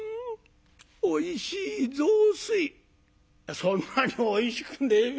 「そんなにおいしくねえべ。